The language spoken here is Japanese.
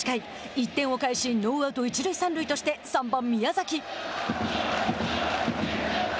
１点を返しノーアウト、一塁三塁として３番宮崎。